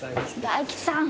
大吉さん。